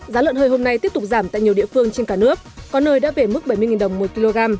giá lợn hơi hôm nay tiếp tục giảm tại nhiều địa phương trên cả nước có nơi đã về mức bảy mươi đồng một kg